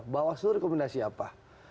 bawah seluruh rekomendasi apa